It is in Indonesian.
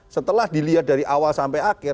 setelah dilihat dari awal sampai akhir